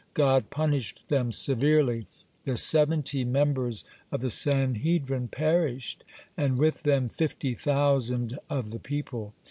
God punished them severely. (37) The seventy members of the Sanhedrin perished, and with them fifty thousand of the people.